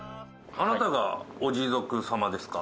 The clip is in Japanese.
あなたがおジゾク様ですか？